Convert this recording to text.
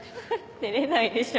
出れないでしょ。